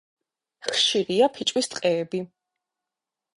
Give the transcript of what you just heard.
ხშირია ფიჭვის ტყეები.